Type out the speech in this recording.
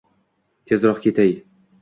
Tezroq ketay